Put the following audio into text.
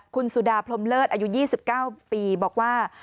คุณสุดาพรมเลิศอายุ๒๙ปีบอกว่า